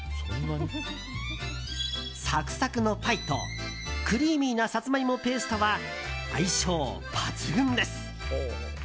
サクサクのパイと、クリーミーなサツマイモペーストは相性抜群です。